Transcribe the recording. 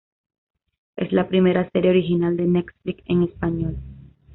Es la primera serie original de Netflix en español.